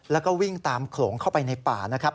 แล้วก็วิ่งตามโขลงเข้าไปในป่านะครับ